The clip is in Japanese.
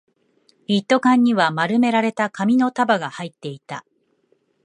一斗缶には丸められた紙の束が入っていた